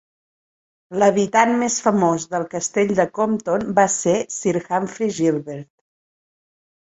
L'habitant més famós del castell de Compton va ser Sir Humphrey Gilbert.